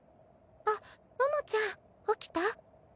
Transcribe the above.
あっ桃ちゃん起きた？